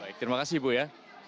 baik terima kasih ibu ya